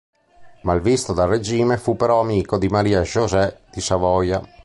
Malvisto dal regime, fu però amico di Maria José di Savoia.